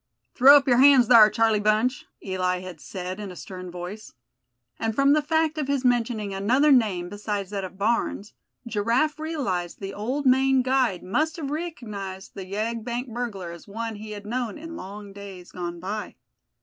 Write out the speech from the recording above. "Throw up yer hands thar, Charlie Bunch!" Eli had said in a stern voice; and from the fact of his mentioning another name besides that of Barnes, Giraffe realized the old Maine guide must have recognized the yegg bank burglar as one he had known in long days gone by.